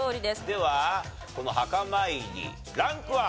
ではこの墓参りランクは？